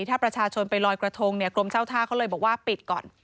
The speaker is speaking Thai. ถ้าประชาชนไปลอยกระทงเนี่ยกรมเจ้าท่าเขาเลยบอกว่าปิดก่อน